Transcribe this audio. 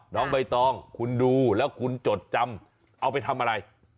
น้องใบตองคุณดูแล้วคุณจดจำเอาไปทำอะไร